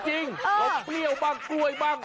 นมเปรี้ยวบ้างกล้วยบ้าง